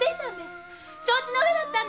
承知のうえだったんです！